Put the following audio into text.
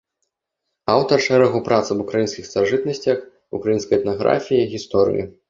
Аўтар шэрагу прац аб украінскіх старажытнасцях, украінскай этнаграфіі, гісторыі.